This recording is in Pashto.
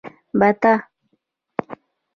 🪿بته